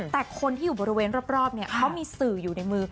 แต่คนที่อยู่บริเวณรอบเนี่ยเขามีสื่ออยู่ในมือ